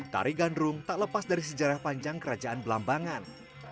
tari gandrung tak lepas dari sejarah panjang kerajaan belambangan